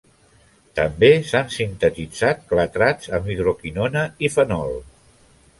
També s'han sintetitzat clatrats amb hidroquinona i fenol.